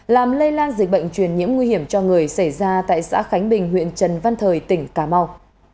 làm lây lan dịch bệnh truyền nhiễm nguy hiểm cho người xảy ra tại xã khánh bình huyện trần văn thời tỉnh cà mau